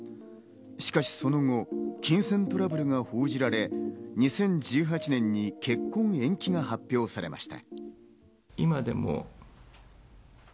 しかしその後、金銭トラブルが報じられ、２０１８年に結婚延期が発表されました。